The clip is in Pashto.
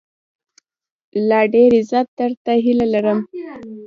لا ډېر عزت، درته هيله لرم